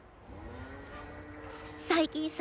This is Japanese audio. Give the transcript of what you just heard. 最近さ。